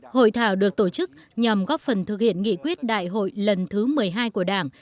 hội thảo được tổ chức nhằm góp phần thực hiện nghị quyết đại hội lần thứ một mươi hai của đảng